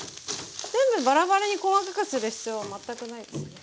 全部バラバラに細かくする必要は全くないですね。